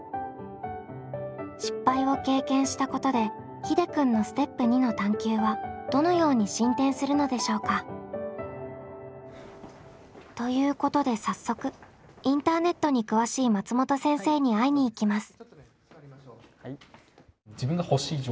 失敗を経験したことでひでくんのステップ２の探究はどのように進展するのでしょうか？ということで早速インターネットに詳しい松本先生に会いに行きます。